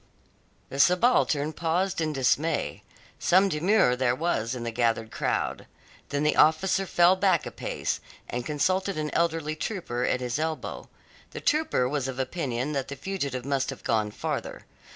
The subaltern paused in dismay. Some demur there was in the gathered crowd. Then the officer fell back a pace, and consulted an elderly trooper at his elbow. The trooper was of opinion that the fugitive must have gone farther.